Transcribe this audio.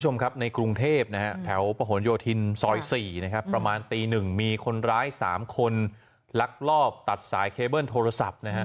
สวัสดีคุณผู้ชมครับในกรุงเทพฯแถวประหลโยธินซอย๔ประมาณตี๑มีคนร้าย๓คนลักลอบตัดสายเคเบิ้ลโทรศัพท์